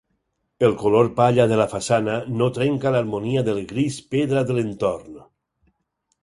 El color palla de la façana no trenca l'harmonia del gris pedra de l'entorn.